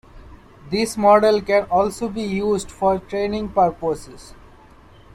This model can also be used for training purposes.